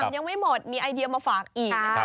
ยังไม่หมดมีไอเดียมาฝากอีกนะครับ